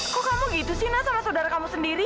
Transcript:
kok kamu gitu sih nak sama saudara kamu sendiri